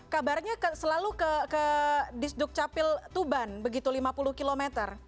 kabarnya selalu ke disduk capil tuban begitu lima puluh km